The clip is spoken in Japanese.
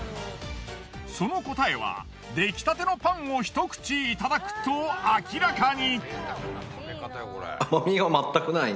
その答えはできたてのパンをひと口いただくと明らかに。